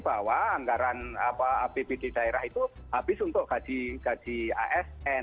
bahwa anggaran apbd daerah itu habis untuk gaji asn